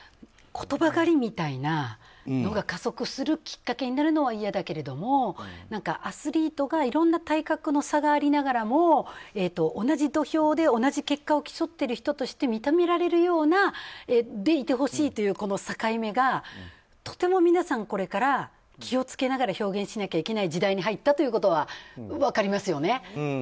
言葉狩りみたいなのが加速するきっかけになるのは嫌だけれども、アスリートがいろんな体格の差がありながらも同じ土俵で同じ結果を競ってる人として認められる形であってほしいという境目が、とても皆さんこれから気をつけながら表現しなきゃいけない時代に入ったということは分かりますよね。